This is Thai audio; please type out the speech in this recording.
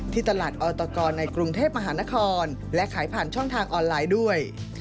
ตลาดออตกรในกรุงเทพมหานครและขายผ่านช่องทางออนไลน์ด้วย